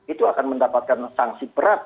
itu akan mendapatkan sanksi berat